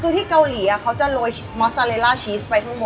คือที่เกาหลีอ่ะเขาจะลง